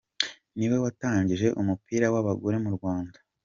Niwe watangije umupira w’abagore mu Rwanda.